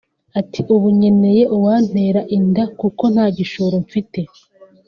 Ati “Ubu nkeneye uwantera inkunga kuko nta gishoro mfite